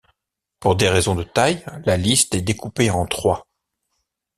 Pour des raisons de taille, la liste est découpée en trois.